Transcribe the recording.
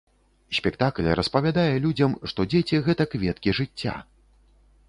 Спектакль распавядае людзям, што дзеці гэта кветкі жыцця!